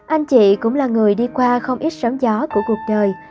anh chị cũng là người đi qua không ít sóng gió của cuộc đời